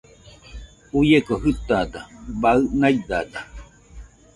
Uieko jɨtada baɨ naidada